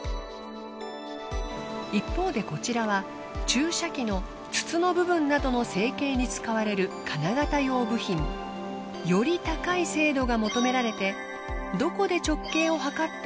一方でこちらは注射器の筒の部分などの成形に使われる金型用部品。より高い精度が求められてどこで直径を測っても同じであることが必要です。